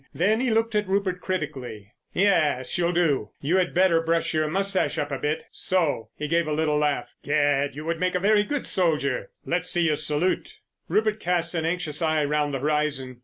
Then he looked at Rupert critically. "Yes, you'll do. You had better brush your moustache up a bit—so." He gave a little laugh. "Gad, you would make a very good soldier. Let's see you salute." Rupert cast an anxious eye round the horizon.